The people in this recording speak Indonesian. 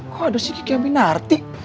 kok ada sikik yang minarti